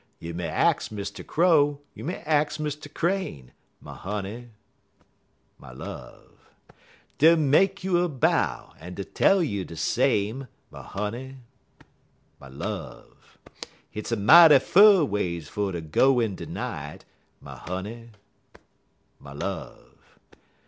You may ax Mister Crow, you may ax Mr. Crane, My honey, my love! Dey'll make you a bow, en dey'll tell you de same, My honey, my love! Hit's a mighty fur ways fer to go in de night, My honey, my love!